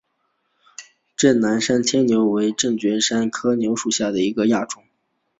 滇南山牵牛为爵床科山牵牛属下的一个亚种。